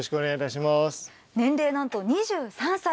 年齢なんと２３歳。